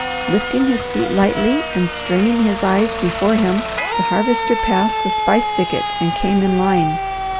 Lifting his feet lightly and straining his eyes before him, the Harvester passed a spice thicket and came in line.